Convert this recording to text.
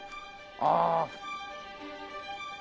ああ。